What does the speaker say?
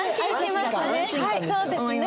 はいそうですね。